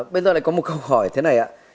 bây giờ lại có một học hỏi thế này ạ